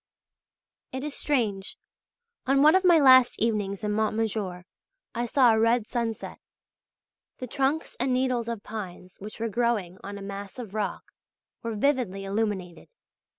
It is strange; on one of my last evenings in Mont Majour I saw a red sunset; the trunks and needles of pines which were growing on a mass of rock, were vividly illuminated.